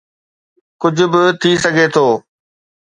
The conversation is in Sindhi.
ڪجهه به ٿي سگهي ٿو.